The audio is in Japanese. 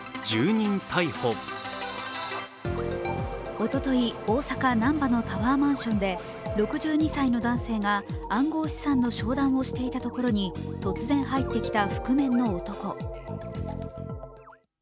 おととい、大阪・難波のタワーマンションで６２歳の男性が暗号資産の商談をしていたところに、突然入ってきた覆面の男。